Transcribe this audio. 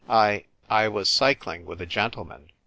" I — I was cycling with a gentleman."